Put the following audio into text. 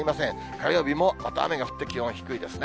火曜日もまた雨が降って気温低いですね。